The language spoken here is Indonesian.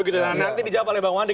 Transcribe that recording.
nanti dijawab oleh bang wandi